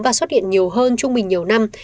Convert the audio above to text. và xuất hiện nhiều hơn trung bình nhiều năm